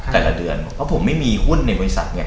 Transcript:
แต่ละเดือนเพราะผมไม่มีหุ้นในบริษัทไง